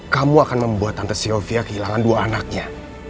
kamu akan membuat tante sylvia kehilangan dua anaknya